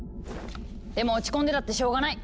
でも落ち込んでたってしょうがない！